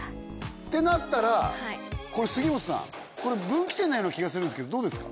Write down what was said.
ってなったらこれ杉本さんこれ分岐点のような気がするんですけどどうですか？